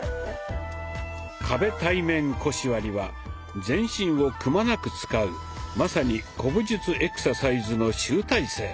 「壁対面腰割り」は全身をくまなく使うまさに古武術エクササイズの集大成。